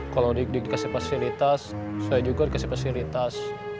kalau adik adik dikasih fasilitas saya juga dikasih fasilitas